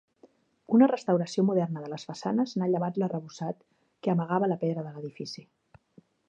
Una restauració moderna de les façanes n'ha llevat l'arrebossat que amagava la pedra de l'edifici.